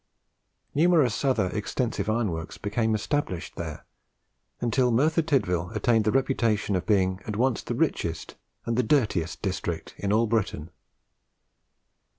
Numerous other extensive iron works became established there, until Merthyr Tydvil attained the reputation of being at once the richest and the dirtiest district in all Britain.